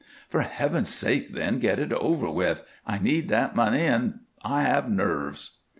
"For Heaven's sake, then, get it over with! I need that money and I have nerves."